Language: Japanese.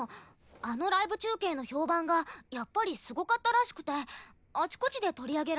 あのライブ中継の評判がやっぱりすごかったらしくてあちこちで取り上げられてるよ。